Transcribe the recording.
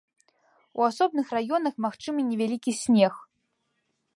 У асобных раёнах магчымы невялікі снег.